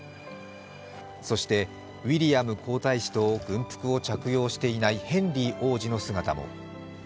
そしてウィリアム皇太子と軍服を着用していないヘンリー王子の姿も。